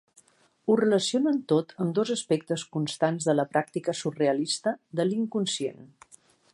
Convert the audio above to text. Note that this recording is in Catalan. Ho relacionen tot amb dos aspectes constants de la pràctica surrealista de l'inconscient.